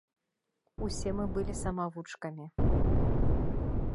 Усе мы былі самавучкамі.